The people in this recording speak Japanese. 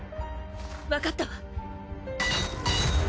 わかったわ。